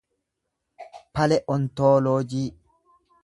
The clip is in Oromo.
pale'ontooloojii